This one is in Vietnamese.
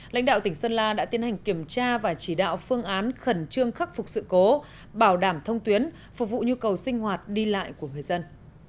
lãnh đạo tỉnh sơn la đã tiến hành kiểm tra và chỉ đạo phương án khẩn trương khắc phục sự cố bảo đảm thông tuyến phục vụ nhu cầu sinh hoạt đi lại của người dân